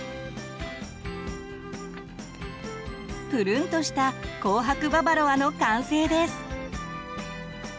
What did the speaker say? ぷるんとした「紅白ババロア」の完成です！